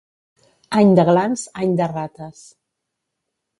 Any de glans, any de rates.